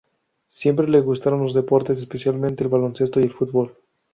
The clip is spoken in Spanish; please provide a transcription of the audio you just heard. Siempre le gustaron los deportes, especialmente el baloncesto y el fútbol.